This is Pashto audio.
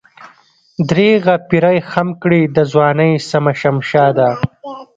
درېغه پيرۍ خم کړې دَځوانۍ سمه شمشاده